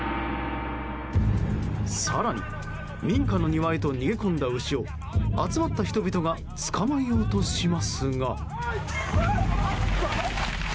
更に、民家の庭へと逃げ込んだ牛を集まった人々が捕まえようとしますが。